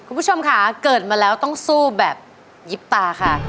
คุณผู้ชมค่ะเกิดมาแล้วต้องสู้แบบยิบตาค่ะ